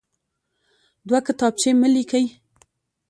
دوه کتابچې مه لیکئ.